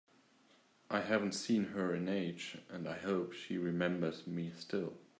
I haven’t seen her in ages, and I hope she remembers me still!